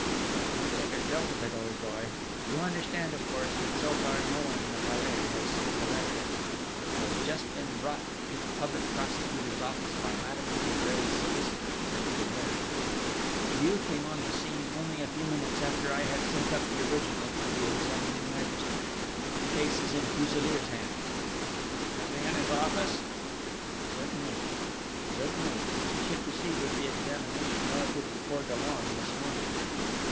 "Don't make a joke of it, old boy!... You understand, of course, that so far no one in the Palais has seen the letter! It has just been brought to the Public Prosecutor's office by Madame de Vibray's solicitor, Maître Gérin. You came on the scene only a few minutes after I had sent up the original to the examining magistrate. The case is in Fuselier's hands." "Is he in his office?" "Certainly! He should proceed with the examination relative to poor Dollon this morning."